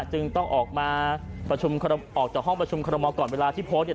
จึงต้องออกมาประชุมออกจากห้องประชุมคอรมอลก่อนเวลาที่โพสต์เนี่ย